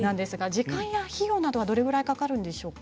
時間や費用などはどれくらいかかるんでしょうか。